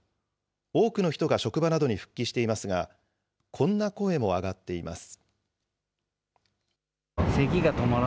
多くの人が職場などに復帰していますが、こんな声も上がっています。